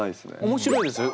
面白いですよ